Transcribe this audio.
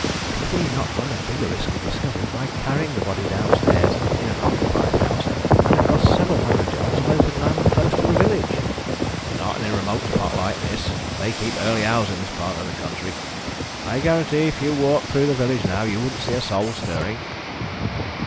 "Did he not run a bigger risk of discovery by carrying the body downstairs in an occupied house, and across several hundred yards of open land close to the village?" "Not in a remote spot like this. They keep early hours in this part of the country. I guarantee if you walked through the village now you wouldn't see a soul stirring."